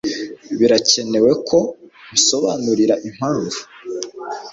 birakenewe ko musobanurira impamvu